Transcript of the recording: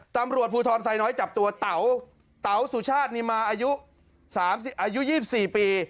ตำรวจภูทรไซน้อยจับตัวเต๋าเต๋าสุชาตินิมาอายุ๒๔ปี